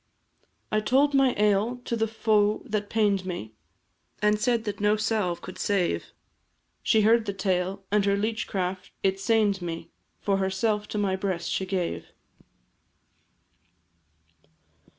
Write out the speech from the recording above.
I told my ail to the foe that pain'd me, And said that no salve could save; She heard the tale, and her leech craft it sain'd me, For herself to my breast she gave.